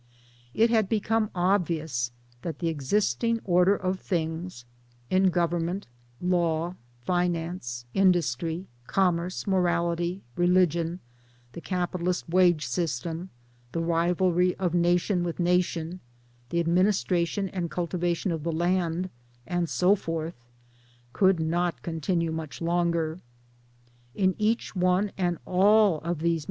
It had become obvious that the existing order of things in Govern ment, Law, Finance, Industry, Commerce, Morality, Religion, the Capitalist ftVage system 1 , the Rivalry of nation with nation, the administration and cultiva tion of the Land;, and so forth could not continue much longer. In each one and all of these